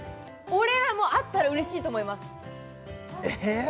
俺らもあったらうれしいと思いますえっ？